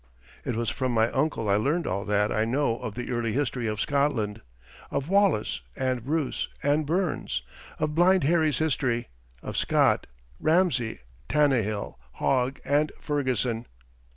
It was from my uncle I learned all that I know of the early history of Scotland of Wallace and Bruce and Burns, of Blind Harry's history, of Scott, Ramsey, Tannahill, Hogg, and Fergusson.